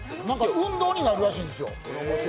運動になるらしいんですよ。